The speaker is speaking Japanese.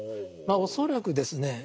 恐らくですね